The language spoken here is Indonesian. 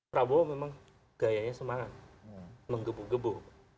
prabowo memang gayanya semangat menggebu gebu